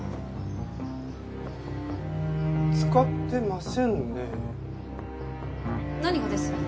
使ってませんねえ。何がです？